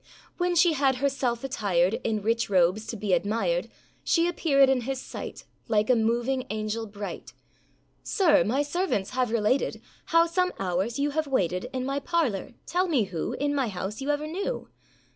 When she had herself attired In rich robes, to be admired, She appearèd in his sight, Like a moving angel bright. âSir! my servants have related, How some hours you have waited In my parlour, âtell me who In my house you ever knew?